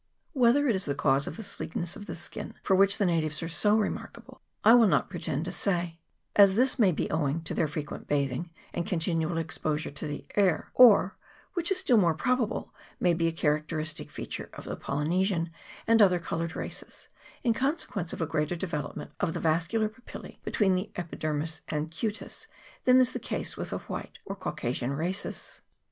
Whether it is the cause of the sleekness of the skin for which the natives are so remarkable, I will not pretend to say ; as this may be owing to their frequent bathing and continual exposure to the air, or, which is still more probable, may be a characteristic feature of the Poly nesian and other coloured races, in consequence of a greater development of the vascular papillae between the epidermis and cutis than is the case with the white or Caucasian races.